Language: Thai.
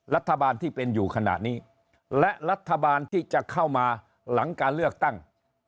รัฐบาลที่เป็นอยู่ขณะนี้และรัฐบาลที่จะเข้ามาหลังการเลือกตั้ง